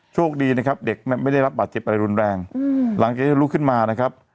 โชคดีนะครับเด็กไม่ได้รับบาดเจ็บอะไรรุนแรงหลังจากที่ลุกขึ้นมานะครับ